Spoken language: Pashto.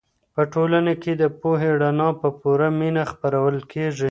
په ټولنه کې د پوهې رڼا په پوره مینه خپرول کېږي.